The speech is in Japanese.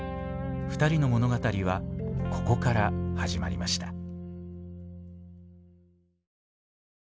２人の物語はここから始まりました。